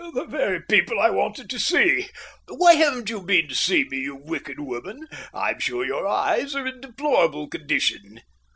"The very people I wanted to see! Why haven't you been to see me, you wicked woman? I'm sure your eyes are in a deplorable condition."